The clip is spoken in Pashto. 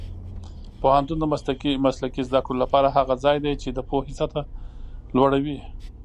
پوهنتون د مسلکي زده کړو لپاره هغه ځای دی چې د پوهې سطح لوړوي.